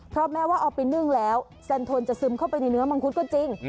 เพราะแม้ว่าเอาไปนึ่งแล้วแซนโทนจะซึมเข้าไปในเนื้อมังคุดก็จริง